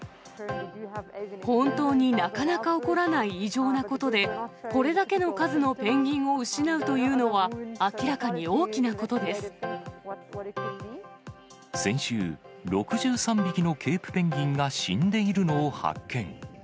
本当になかなか起こらない異常なことで、これだけの数のペンギンを失うというのは、明らかに先週、６３匹のケープペンギンが死んでいるのを発見。